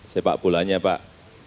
sepak bolanya pak